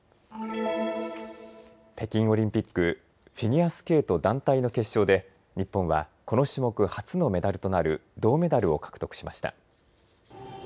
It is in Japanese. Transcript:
北京オリンピック、フィギュアスケート団体の決勝で、日本はこの種目初のメダルとなる銅メダルを獲得しました。